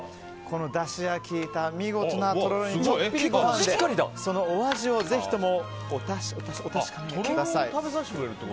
だしが効いた見事なとろろにちょっぴりご飯でそのお味をぜひともお確かめください。